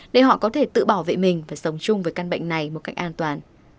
để họ có thể tự bảo vệ mình và sống chung với căn bệnh này một cách an toàn